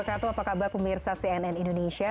apa kabar pemirsa cnn indonesia